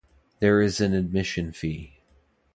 There is an admission fee.